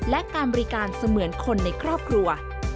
และการบริการเสมือนคนในครอบครัว